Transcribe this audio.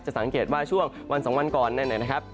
จะส้างเกตว่าช่วงวันสองวันก่อนนะครับ